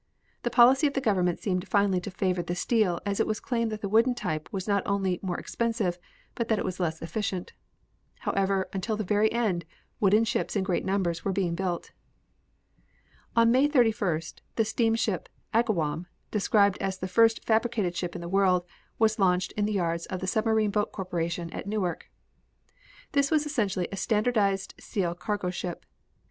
The policy of the government seemed finally to favor the steel as it was claimed that the wooden type was not only more expensive, but that it was less efficient. However until the very end wooden ships in great numbers were being built. On May 31st the steamship Agawam, described as the first fabricated ship in the world, was launched in the yards of the Submarine Boat Corporation at Newark. This was essentially a standardized steel cargo ship.